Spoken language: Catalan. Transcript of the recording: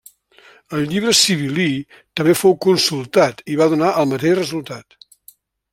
El Llibre sibil·lí també fou consultat i va donar el mateix resultat.